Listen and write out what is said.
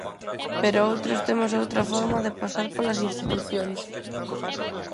Pero outros temos outra forma de pasar polas institucións.